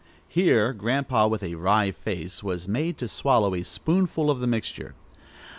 Here Grandpa, with a wry face, was made to swallow a spoonful of the mixture.